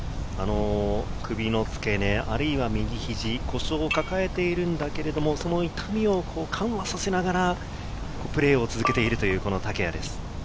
首のつけ根、右肘、故障を抱えているんですけれども、その痛みを緩和させながらプレーを続けているという竹谷です。